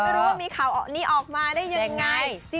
ไม่มีข่าวนี้ออกมาได้ยังไง